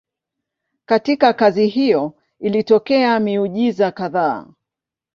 Katika kazi hiyo ilitokea miujiza kadhaa.